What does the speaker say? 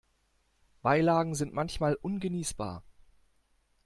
Beilagen sind manchmal ungenießbar.